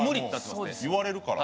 言われるから。